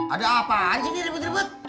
ada apaan sih ini ribet ribet